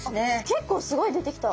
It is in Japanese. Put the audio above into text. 結構すごい出てきた。